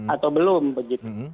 atau belum begitu